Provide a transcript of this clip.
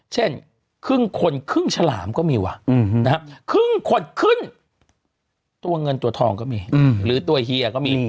เช่นครึ่งคนครึ่งฉลามก็มีว่ะนะครับครึ่งคนขึ้นตัวเงินตัวทองก็มีหรือตัวเฮียก็มี